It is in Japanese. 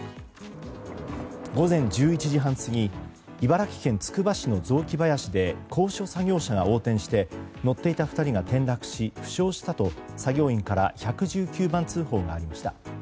午前１１時半過ぎ茨城県つくば市の雑木林で高所作業車が横転して乗っていた２人が転落し負傷したと作業員から１１９番通報がありました。